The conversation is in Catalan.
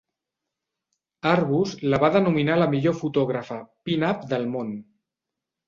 Arbus la va denominar la millor fotògrafa pin-up del món.